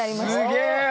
すげえ！